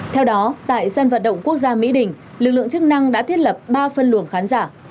theo đó tại sân vận động quốc gia mỹ đình lực lượng chức năng đã thiết lập ba phân luồng khán giả